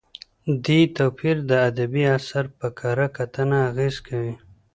دې توپیر د ادبي اثر په کره کتنه اغېز کوي.